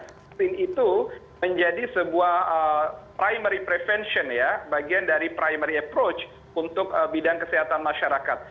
vaksin itu menjadi sebuah primary prevention ya bagian dari primary approach untuk bidang kesehatan masyarakat